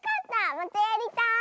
またやりたい！